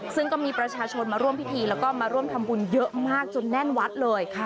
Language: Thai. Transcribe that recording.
ซึ่งก็มีประชาชนมาร่วมพิธีแล้วก็มาร่วมทำบุญเยอะมากจนแน่นวัดเลย